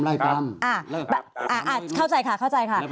อ่ะอ่ะอ่ะอ่ะเข้าใจค่ะค่ะ